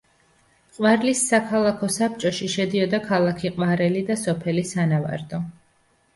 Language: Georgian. ყვარლის საქალაქო საბჭოში შედიოდა ქალაქი ყვარელი და სოფელი სანავარდო.